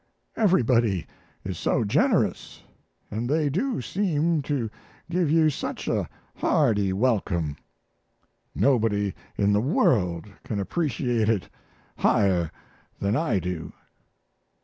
Everybody is so generous, and they do seem to give you such a hearty welcome. Nobody in the world can appreciate it higher than I do.